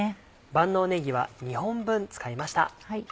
万能ねぎは２本分使いました。